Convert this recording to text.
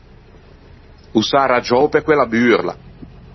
O s’é arraggiou pe quella burla.